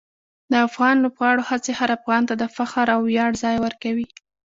د افغان لوبغاړو هڅې هر افغان ته د فخر او ویاړ ځای ورکوي.